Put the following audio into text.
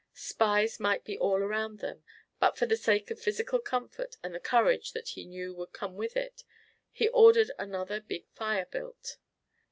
Spies might be all around them, but for the sake of physical comfort and the courage that he knew would come with it, he ordered another big fire built.